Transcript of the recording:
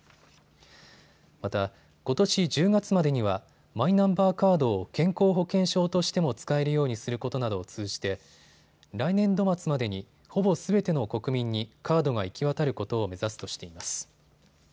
また、ことし１０月までにはマイナンバーカードを健康保険証としても使えるようにすることなどを通じて来年度末までに、ほぼすべての国民にカードが行き渡ることを目指すとしています。